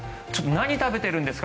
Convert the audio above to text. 何を食べてるんですか？